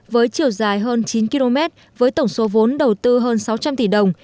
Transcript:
với chiều dài hơn chín km với tổng số vốn đầu tư hơn sáu trăm linh tỷ đồng